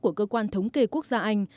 của cơ quan thống kê quốc gia anh